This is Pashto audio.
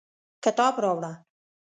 کتاب راوړه